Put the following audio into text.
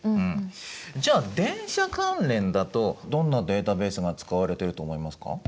じゃあ電車関連だとどんなデータベースが使われていると思いますか？